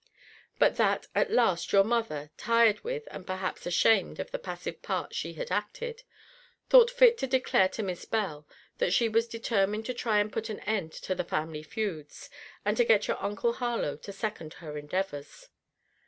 'But that, at last, your mother (tired with, and, perhaps, ashamed of the passive part she had acted) thought fit to declare to Miss Bell, that she was determined to try to put an end to the family feuds, and to get your uncle Harlowe to second her endeavours.